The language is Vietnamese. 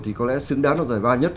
thì có lẽ xứng đáng đoàn giải ba nhất